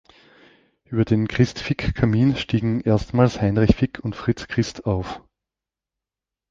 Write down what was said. Über den "Christ-Fick-Kamin" stiegen erstmals Heinrich Fick und Fritz Christ auf.